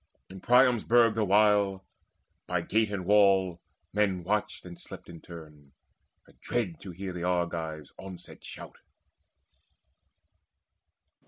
In Priam's burg the while By gate and wall men watched and slept in turn, Adread to hear the Argives' onset shout.